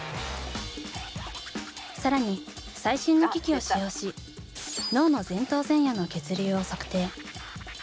更に最新の機器を使用し脳の前頭前野の血流を測定。